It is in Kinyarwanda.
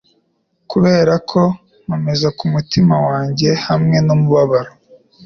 kuberako nkomeza kumutima wanjye hamwe numubabaro